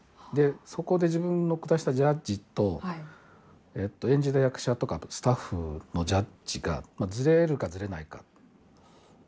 そこで自分の下したジャッジと演じた役者とかスタッフのジャッジがずれるか、ずれないか。